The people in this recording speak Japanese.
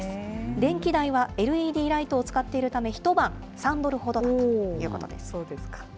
電気代はＬＥＤライトを使っているため、一晩３ドルほどだというそうですか。